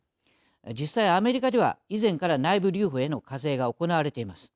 実際、アメリカでは以前から内部留保への課税が行われています。